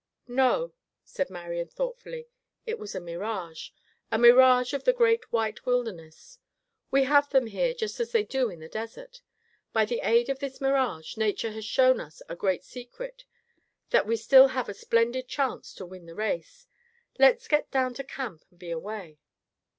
"No," said Marian thoughtfully, "It was a mirage, a mirage of the great white wilderness. We have them here just as they do on the desert. By the aid of this mirage, nature has shown us a great secret; that we still have a splendid chance to win the race. Let's get down to camp and be away."